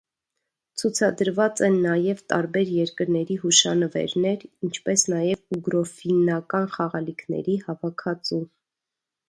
Ցուցադրված են նաև տարբեր երկրների հուշանվերներ, ինչպես նաև ուգրոֆիննական խաղալիքների հավաքածու։